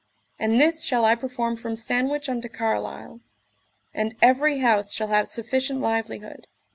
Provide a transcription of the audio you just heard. And this shall I perform from Sandwich unto Carlisle; and every house shall have sufficient livelihood.